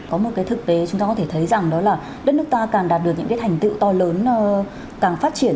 có một cái thực tế chúng ta có thể thấy rằng đó là đất nước ta càng đạt được những cái thành tựu to lớn càng phát triển